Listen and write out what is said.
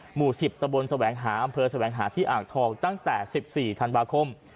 หมู่๑๐ตะบนแสวงหาอำเภอแสวงหาที่อ่างทองตั้งแต่๑๔ธันวาคม